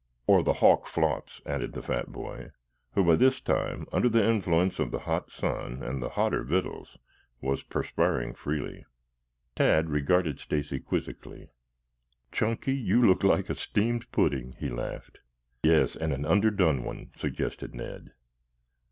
"Or the hawk flops," added the fat boy, who, by this time, under the influence of the hot sun and the hotter victuals, was perspiring freely. Tad regarded Stacy quizzically. "Chunky, you look like a steamed pudding," he laughed. "Yes, an underdone one," suggested Ned.